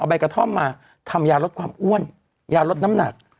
ใบกระท่อมมาทำยาลดความอ้วนยาลดน้ำหนัก